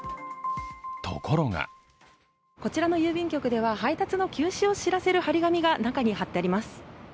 ところがこちらの郵便局では配達の休止を知らせる貼り紙が中に貼ってあります。